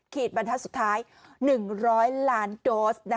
บรรทัศน์สุดท้าย๑๐๐ล้านโดส